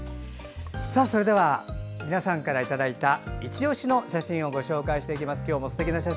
それでは、皆さんからいただいたいちオシの写真をご紹介していきます。